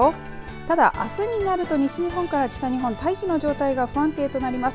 ただ、あすになると西日本から北日本大気の状態が不安定となります。